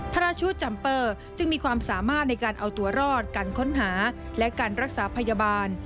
ราชูจัมเปอร์จึงมีความสามารถในการเอาตัวรอดการค้นหาและการรักษาพยาบาล